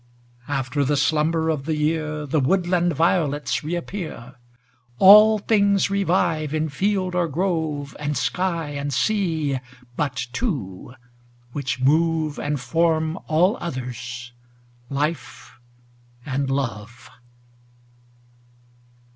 Ill After the slumber of the year The woodland violets reappear; All things revive in field or grove, And sky and sea, but two, which move And form all others, life and love.